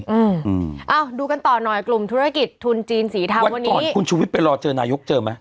อืมอ้าวดูกันต่อหน่อยกลุ่มธุรกิจทุนจีนสีเทาวันนี้ก่อนคุณชุวิตไปรอเจอนายกเจอไหม